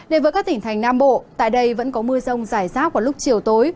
đến với các tỉnh thành nam bộ tại đây vẫn có mưa rông rải rác vào lúc chiều tối